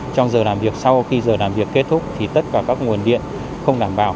trong giờ làm việc sau khi giờ làm việc kết thúc thì tất cả các nguồn điện không đảm bảo